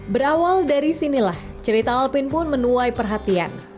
berawal dari sinilah cerita alpin pun menuai perhatian